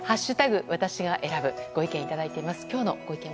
私が選ぶ」ご意見いただいています。